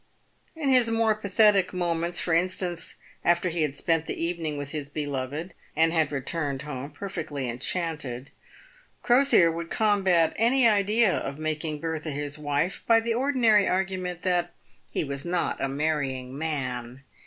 In his more pathetic moments — for instance, after he had spent the evening with his beloved, and had returned home perfectly enchanted — Crosier would combat any idea of making Bertha his wife by the ordinary argument, " that he was not a marrying man."